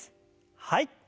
はい。